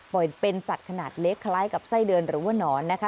เป็นสัตว์ขนาดเล็กคล้ายกับไส้เดือนหรือว่านอนนะคะ